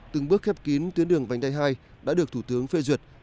từng bước khép kín tuyến đường vành đai hai đã được thủ tướng phê duyệt